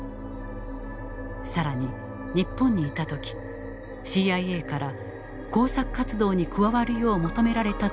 更に日本にいた時ＣＩＡから工作活動に加わるよう求められたという記述もある。